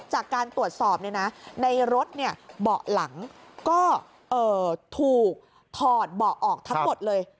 จากการตรวจสอบในรถเบาะหลังก็ถูกถอดเบาะออกทั้งหมดเลย